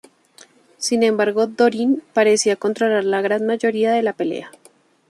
Sin embargo, Dorin parecía controlar la gran mayoría de la pelea.